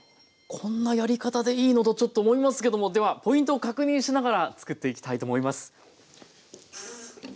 こんなやり方でいいのとちょっと思いますけどもではポイントを確認しながらつくっていきたいと思います。